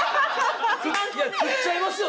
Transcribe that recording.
いや食っちゃいますよ。